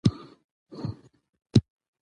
د ټولنیزو پروژو د ودی لپاره ځوانان کار کوي.